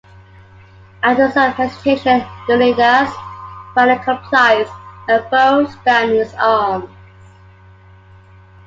After some hesitation, Leonidas finally complies and throws down his arms.